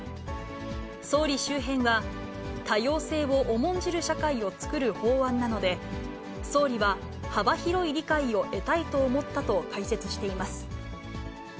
総理周辺は、多様性を重んじる社会を作る法案なので、総理は幅広い理解を得たいと思ったと解説しています。